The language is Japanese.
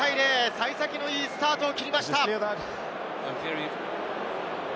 幸先のいいスタートを切りました。